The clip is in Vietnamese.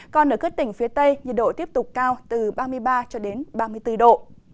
còn ở các tỉnh phía tây nhiệt độ tiếp tục cao từ ba mươi ba ba mươi bốn độ